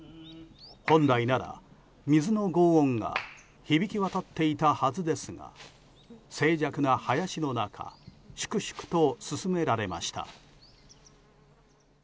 本来なら水の轟音が響き渡っていたはずですが静寂な林の中粛々と進められました。